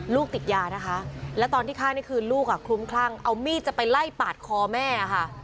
ติดยานะคะแล้วตอนที่ฆ่านี่คือลูกคลุ้มคลั่งเอามีดจะไปไล่ปาดคอแม่ค่ะ